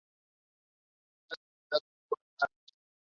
Actual Diputado por Alicante.